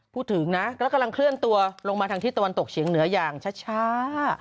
พูดถึงนะแล้วกำลังเคลื่อนตัวลงมาทางที่ตะวันตกเฉียงเหนืออย่างช้า